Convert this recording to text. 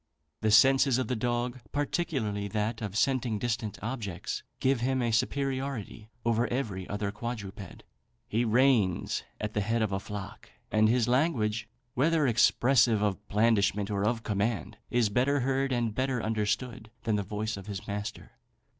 The senses of the dog, particularly that of scenting distant objects, give him a superiority over every other quadruped. He reigns at the head of a flock; and his language, whether expressive of blandishment or of command, is better heard and better understood than the voice of his master.